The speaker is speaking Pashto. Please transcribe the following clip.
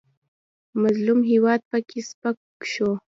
مظلوم هېواد پکې سپک شو.